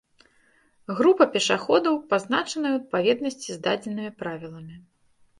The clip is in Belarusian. група пешаходаў, пазначаная ў адпаведнасці з дадзенымі Правіламі